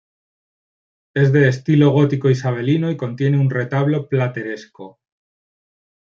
Es de estilo gótico isabelino y contiene un retablo plateresco.